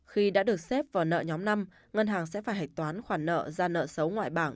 khi đã được xếp vào nợ nhóm năm ngân hàng sẽ phải hạch toán khoản nợ ra nợ xấu ngoại bảng